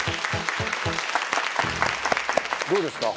どうですか？